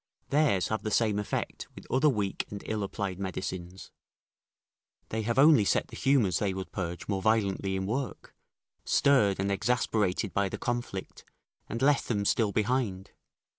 Theirs have the same effect with other weak and ill applied medicines; they have only set the humours they would purge more violently in work, stirred and exasperated by the conflict, and left them still behind.